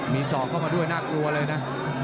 มีศอกเข้ามาด้วยน่ากลัวเลยนะ